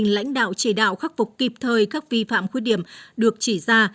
lãnh đạo chỉ đạo khắc phục kịp thời các vi phạm khuyết điểm được chỉ ra